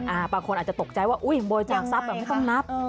บางคนอาจจะตกใจว่าอุ้ยบริจาคทรัพย์แบบไม่ต้องนับ